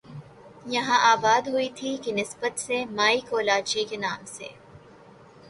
یہاں آباد ہوئی تھی کی نسبت سے مائی کولاچی کے نام سے